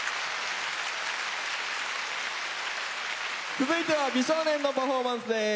続いては美少年のパフォーマンスです。